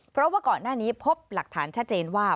เพราะว่าก่อนหน้านี้พบหลักฐานชัดเจนว่า